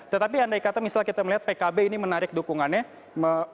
tetapi andai kata misalnya kita melihat pkb ini menarik dukungannya